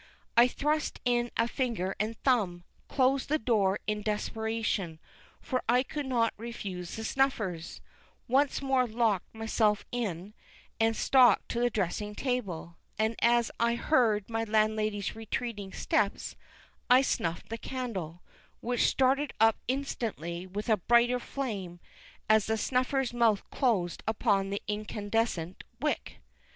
I thrust in a finger and thumb, closed the door in desperation for I could not refuse the snuffers once more locked myself in, and stalked to the dressing table; and, as I heard my landlady's retreating steps, I snuffed the candle, which started up instantly with a brighter flame, as the snuffers' mouth closed upon the incandescent wick.